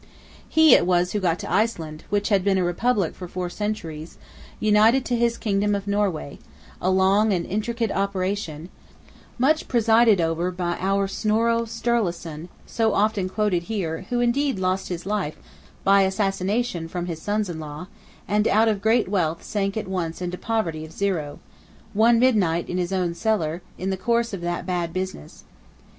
He it was who got Iceland, which had been a Republic for four centuries, united to his kingdom of Norway: a long and intricate operation, much presided over by our Snorro Sturleson, so often quoted here, who indeed lost his life (by assassination from his sons in law) and out of great wealth sank at once into poverty of zero, one midnight in his own cellar, in the course of that bad business.